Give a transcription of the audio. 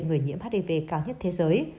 người nhiễm hiv cao nhất thế giới